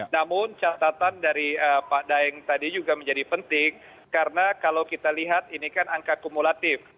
namun catatan dari pak daeng tadi juga menjadi penting karena kalau kita lihat ini kan angka kumulatif